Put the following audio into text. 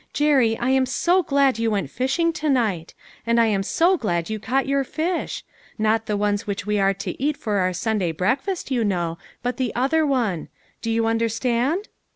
Jerry, I am so glad you went fishing to night, and I am so glad you caught your fish ; not the ones which we are to eat for our Sunday breakfast, you know, but the other one. Do you understand